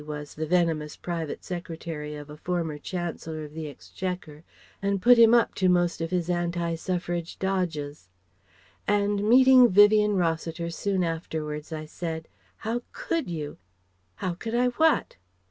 was the venomous Private Secretary of a former Chancellor of the Exchequer and put him up to most of his anti suffrage dodges); and meeting Vivien Rossiter soon afterwards I said, "How could you?" "How could I what?"